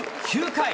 ９回。